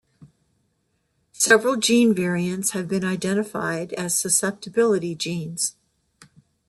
Several gene variants have been identified as susceptibility genes.